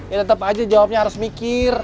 ya tetap aja jawabnya harus mikir